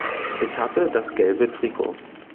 Etappe das gelbe Trikot.